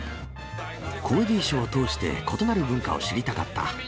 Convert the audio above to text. コメディーショーを通して、異なる文化を知りたかった。